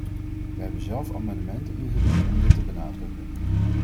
Wij hebben zelf amendementen ingediend om dit te benadrukken.